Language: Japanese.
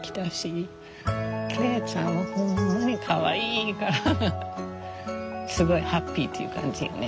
來愛ちゃんはほんまにかわいいからすごいハッピーっていう感じよね。